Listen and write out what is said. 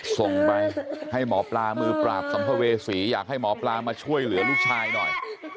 ส่งไปให้หมอปลามือปราบสัมภเวษีอยากให้หมอปลามาช่วยเหลือลูกชายหน่อย